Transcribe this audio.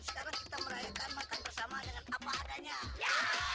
sekarang kita merayakan makan bersama dengan apa adanya